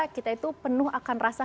kita itu penuh akan rasa